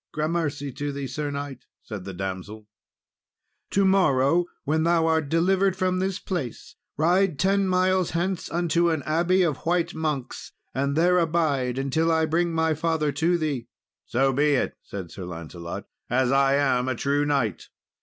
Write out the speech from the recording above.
"Grammercy to thee, Sir knight," said the damsel. "To morrow, when thou art delivered from this place, ride ten miles hence unto an abbey of white monks, and there abide until I bring my father to thee." "So be it," said Sir Lancelot, "as I am a true knight."